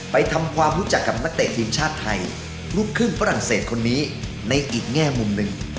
ทำความรู้จักกับนักเตะทีมชาติไทยลูกครึ่งฝรั่งเศสคนนี้ในอีกแง่มุมหนึ่ง